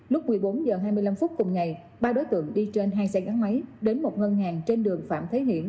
lúc một mươi bốn h hai mươi năm phút cùng ngày ba đối tượng đi trên hai xe gắn máy đến một ngân hàng trên đường phạm thế hiển